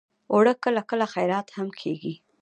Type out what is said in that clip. اوړه کله کله خیرات هم کېږي